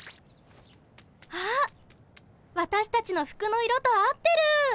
あっわたしたちの服の色と合ってる！